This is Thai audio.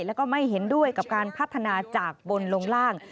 แล้วก็ไม่เห็นด้วยกับการพัฒนาจากบนลงล่าง